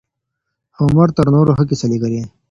هومر تر نورو ښه کيسه ليکلې ده.